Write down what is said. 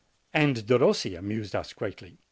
And Derossi amused us greatly.